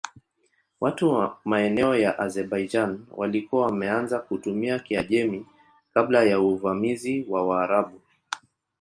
Watu wa maeneo ya Azerbaijan walikuwa wameanza kutumia Kiajemi kabla ya uvamizi wa Waarabu.